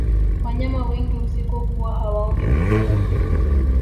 wanyama wengi usiku huwa hawaoni vizuri